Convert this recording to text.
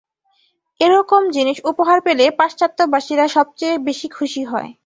এ-রকম জিনিষ উপহার পেলে পাশ্চাত্যবাসীরা সবচেয়ে বেশী খুশী হয়।